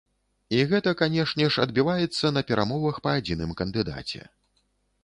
І гэта, канешне ж, адбіваецца на перамовах па адзіным кандыдаце.